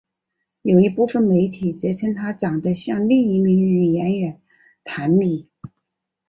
而一部分媒体则称她长得像另一名女演员坛蜜。